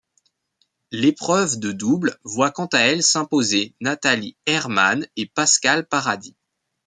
L'épreuve de double voit quant à elle s'imposer Nathalie Herreman et Pascale Paradis.